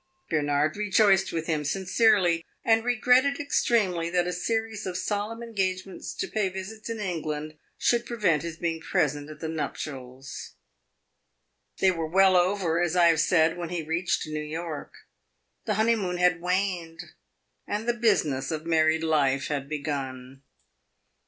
Bernard rejoiced with him sincerely, and regretted extremely that a series of solemn engagements to pay visits in England should prevent his being present at the nuptials. They were well over, as I have said, when he reached New York. The honeymoon had waned, and the business of married life had begun.